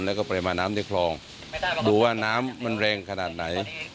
แล้วก็ปริมาณน้ำในคลองดูว่าน้ำมันแรงขนาดไหน